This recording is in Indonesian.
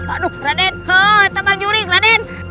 aduh raden teman juri raden